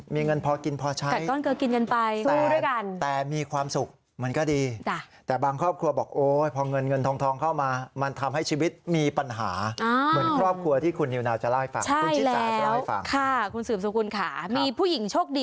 มีเงินพอกินพอใช้